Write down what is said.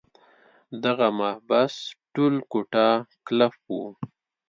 دغه محبس ټول کوټه قلف وو.